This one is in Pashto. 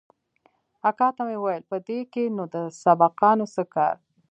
اکا ته مې وويل په دې کښې نو د سبقانو څه کار.